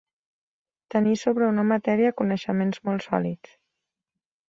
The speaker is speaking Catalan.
Tenir sobre una matèria coneixements molt sòlids.